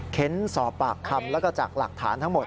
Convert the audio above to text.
เค้นสอบปากคำแล้วก็จากหลักฐานทั้งหมด